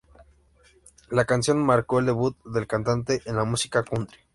La canción marcó el debut del cantante en la música "country".